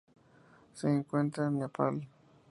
Se encuentra en Nepal.